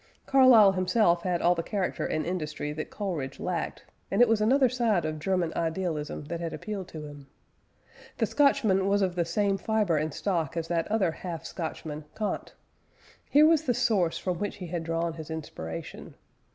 Carlyle himself had all the character and industry that Coleridge lacked, and it was another side of German idealism that had appealed to him. The Scotchman was of the same fibre and stock as that other half Scotchman, Kant. Here was the source from which he had drawn his inspiration.